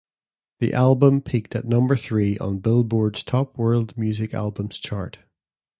The album peaked at number three on "Billboard"s Top World Music Albums chart.